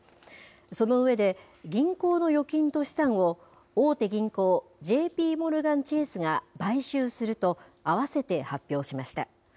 その上で、銀行の預金と資産を大手銀行、ＪＰモルガン・チェースが買収するとあわせて発表しました。